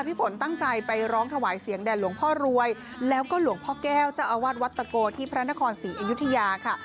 พี่ฝนตั้งใจไปร้องถวายเสียงแด่หลวงพ่อรวยแล้วก็หลวงพ่อแก้วเจ้าอาวาสวัดตะโกที่พระนครศรีอยุธยาค่ะ